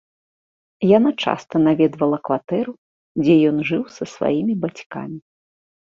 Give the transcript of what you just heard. Яна часта наведвала кватэру, дзе ён жыў са сваімі бацькамі.